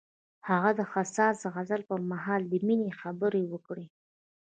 هغه د حساس غزل پر مهال د مینې خبرې وکړې.